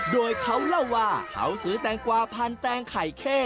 โดยเขาเล่าว่าเขาซื้อแตงกวาพันแตงไข่เข้